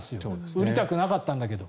売りたくなかったんだけど。